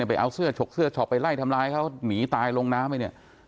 ไปเอาเสื้อฉกเสื้อช็อปไปไล่ทำร้ายเขาหนีตายลงน้ำไปเนี่ย